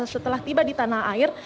setelah tiba di tanah air